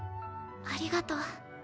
ありがとう。